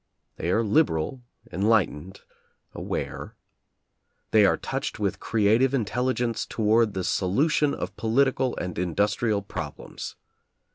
They are liberal, en lightened, aware. They are touched with crea tive intelligence toward the solution of political and industrial problems.